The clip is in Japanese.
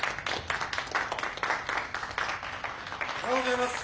おはようございます。